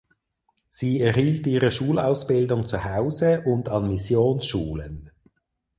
Sie erhielt ihre Schulausbildung zu Hause und an Missionsschulen.